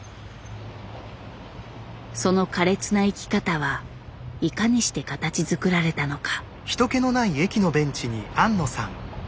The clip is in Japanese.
その苛烈な生き方はいかにして形づくられたのか。